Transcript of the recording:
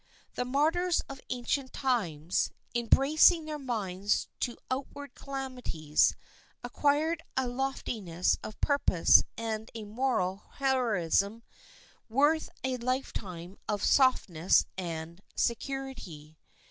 The martyrs of ancient times, in bracing their minds to outward calamities, acquired a loftiness of purpose and a moral heroism worth a life time of softness and security.